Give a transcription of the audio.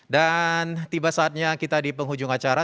dan tiba saatnya kita di penghujung acara